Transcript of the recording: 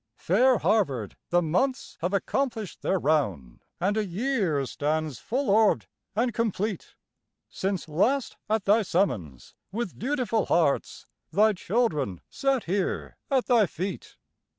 Fair Harvard, the months have accomplished their round And a year stands full orbed and complete, Since last at thy summons, with dutiful hearts, Thy children sat here at thy feet.